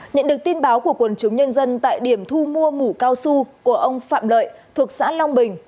nhận được tin báo của quần chúng nhân dân tại điểm thu mua mũ cao su của ông phạm lợi thuộc xã long bình